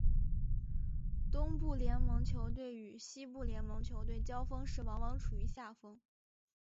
东部联盟球队与西部联盟球队交锋时往往处于下风。